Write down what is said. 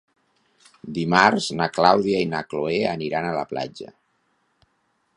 Dimarts na Clàudia i na Cloè aniran a la platja.